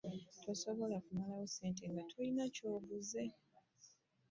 Tosobola kumalawo ssente nga tolina kyoguzeeko.